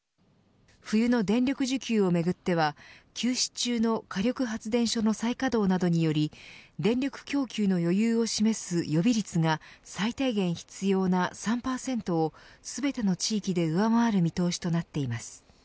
冬の電力需給をめぐっては休止中の火力発電所の再稼働などにより電力供給の余裕を示す予備率が最低限必要な３％を全ての地域で上回る見通しとなっています。